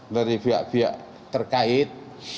dari pihak pihak terkait